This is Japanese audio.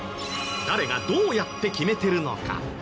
誰がどうやって決めてるのか？